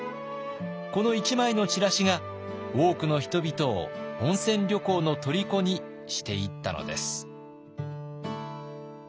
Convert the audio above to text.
この１枚のチラシが多くの人々を温泉旅行のとりこにしていったのです。